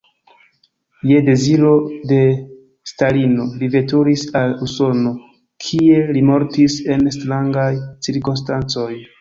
Je deziro de Stalino li veturis al Usono, kie li mortis en strangaj cirkonstancoj.